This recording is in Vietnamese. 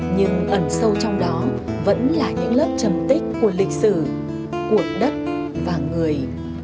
nhưng ẩn sâu trong đó vẫn là những lớp trầm tích của lịch sử của đất và người